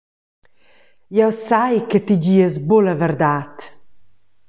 Jeu sai che ti dias buca la verdad.